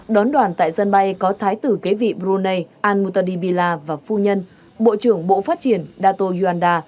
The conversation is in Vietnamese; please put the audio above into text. đón đoàn tại dân bay có thái tử kế vị brunei anmuta dibila và phu nhân bộ trưởng bộ phát triển dato yuanda